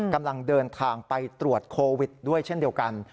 กำลังเดินทางไปตรวจโควิดด้วยเช่นเดียวกัน